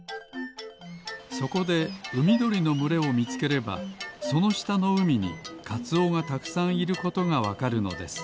そこでうみどりのむれをみつければそのしたのうみにカツオがたくさんいることがわかるのです。